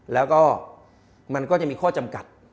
แล้วก็มันก็จะมีข้อจำกัด